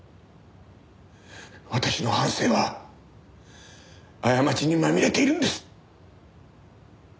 私の半生は過ちにまみれているんです！